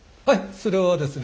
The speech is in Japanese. それはですね。